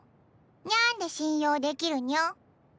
にゃんで信用できりゅの？